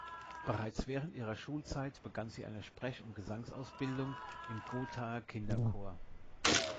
Bereits während ihrer Schulzeit begann sie eine Sprech- und Gesangsausbildung im Gothaer Kinderchor.